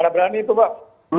berani itu pak